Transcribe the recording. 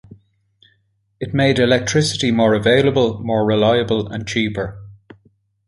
It made electricity more available, more reliable and cheaper.